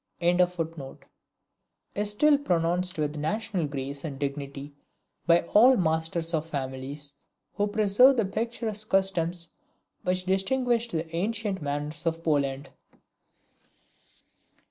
"] is still pronounced with a national grace and dignity by all masters of families who preserve the picturesque customs which distinguished the ancient manners of Poland.